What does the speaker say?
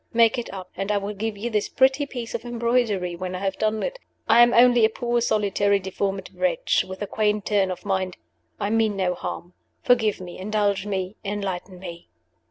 Make it up; and I will give you this pretty piece of embroidery when I have done it. I am only a poor, solitary, deformed wretch, with a quaint turn of mind; I mean no harm. Forgive me! indulge me! enlighten me!"